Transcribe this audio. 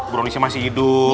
bronisnya masih hidup